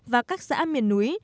và các xã miền núi